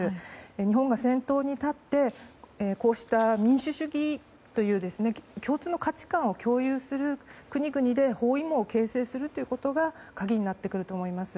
日本が先頭に立ってこうした民主主義という共通の価値観を共有する国々で包囲網を形成することが鍵になってくると思います。